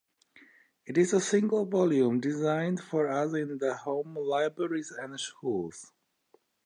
It is a single volume designed for use in the home, libraries and schools.